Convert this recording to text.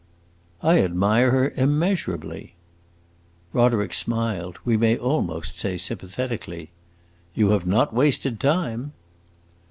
"I admire her immeasurably." Roderick smiled, we may almost say sympathetically. "You have not wasted time."